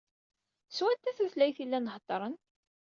S wanta tutlayt i llan heddren?